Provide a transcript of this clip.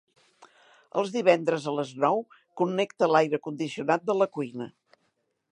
Els divendres a les nou connecta l'aire condicionat de la cuina.